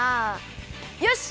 よし！